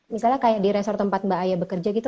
misalnya kayak di resort tempat mbak aya bekerja gitu